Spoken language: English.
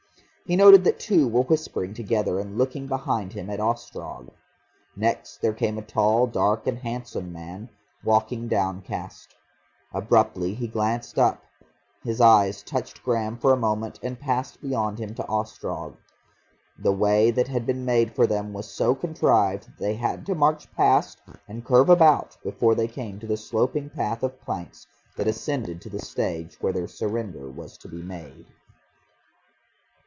He noted that two were whispering together and looking behind him at Ostrog. Next there came a tall, dark and handsome man, walking downcast. Abruptly he glanced up, his eyes touched Graham for a moment, and passed beyond him to Ostrog. The way that had been made for them was so contrived that they had to march past and curve about before they came to the sloping path of planks that ascended to the stage where their surrender was to be made.